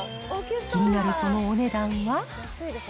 気になるそのお値段は。